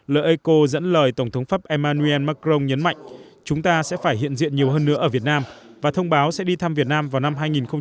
l eco dẫn lời tổng thống pháp emmanuel macron nhấn mạnh chúng ta sẽ phải hiện diện nhiều hơn nữa ở việt nam và thông báo sẽ đi thăm việt nam vào năm hai nghìn hai mươi